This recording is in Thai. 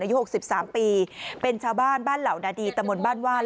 อายุหกสิบสามปีเป็นชาวบ้านบ้านเหล่านาดีตำวนบ้านว่าน